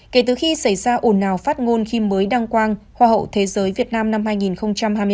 kể từ khi xảy ra ồn ào phát ngôn khi mới đăng quang hoa hậu thế giới việt nam năm hai nghìn hai mươi hai